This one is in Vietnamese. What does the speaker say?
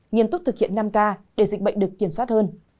nghiêm túc thực hiện năm k để dịch bệnh được kiểm soát hơn